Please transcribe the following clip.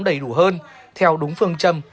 đầy đủ hơn theo đúng phương châm